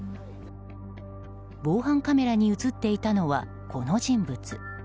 防犯カメラに映っていたのはこの人物。